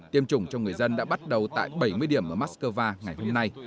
tiêm chủng cho người dân đã bắt đầu tại bảy mươi điểm ở moscow ngày hôm nay